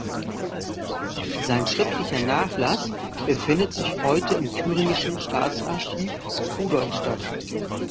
Sein schriftlicher Nachlass befindet sich heute im Thüringischen Staatsarchiv Rudolstadt.